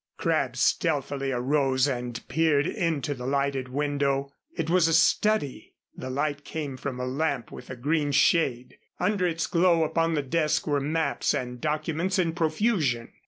Crabb stealthily arose and peered into the lighted window. It was a study. The light came from a lamp with a green shade. Under its glow upon the desk were maps and documents in profusion.